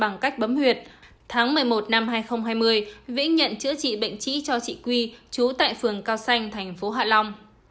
năm hai nghìn một mươi một hai nghìn hai mươi vĩnh nhận chữa trị bệnh trĩ cho chị quy chú tại phường cao xanh tp hạ long